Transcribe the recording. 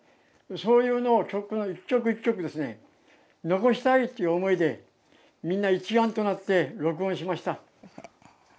そういうのを、一曲一曲残したいという思いで、みんな一丸となって、録音しました。